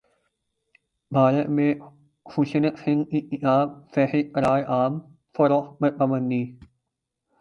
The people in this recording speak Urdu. بھارت میں خشونت سنگھ کی کتاب فحش قرار عام فروخت پر پابندی